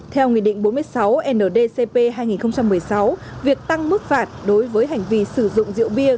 theo nghị định bốn mươi sáu ndcp hai nghìn một mươi sáu việc tăng mức phạt đối với hành vi sử dụng rượu bia